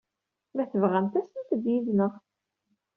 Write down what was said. Ma tebɣamt, asemt-d yid-neɣ.